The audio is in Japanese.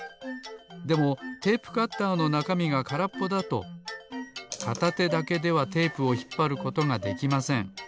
でもテープカッターのなかみがからっぽだとかたてだけではテープをひっぱることができません。